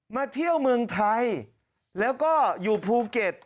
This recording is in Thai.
เที่ยวเมืองไทยแล้วก็อยู่ภูเก็ต